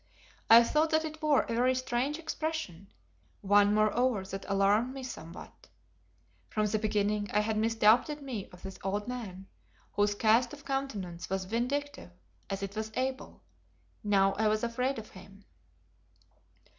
I thought that it wore a very strange expression, one moreover that alarmed me somewhat. From the beginning I had misdoubted me of this old man, whose cast of countenance was vindictive as it was able; now I was afraid of him.